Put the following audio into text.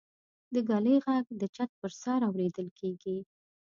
د ږلۍ غږ د چت پر سر اورېدل کېږي.